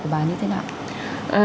của bà như thế nào